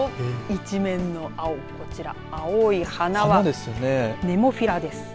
一面の青、こちら青い花はネモフィラです。